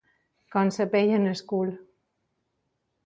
Com la pell al cul.